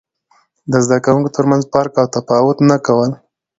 د زده کوونکو ترمنځ فرق او تفاوت نه کول.